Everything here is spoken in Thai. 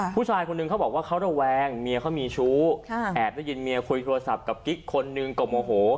ผู้ชายคนนึงเขาบอกว่าเขาระแวงเมียเขามีชู้แอบได้ยินเมียคุยโทรศัพท์กับกิ๊กคนหนึ่งก็โมโห